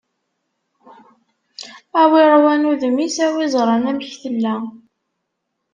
A w'iṛwan udem-is, a w'iẓran amek tella!